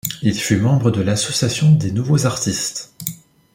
Il fut membre de l'Association des Nouveaux Artistes.